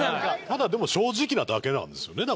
ただでも正直なだけなんですよねだから。